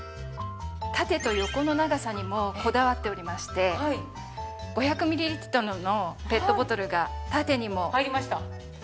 縦と横の長さにもこだわっておりまして５００ミリリットルのペットボトルが縦にも横にも。